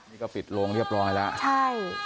นี่ก็ปิดโลงเรียบร้อยแล้วค่ะเหมือนแบบนี้นะขอ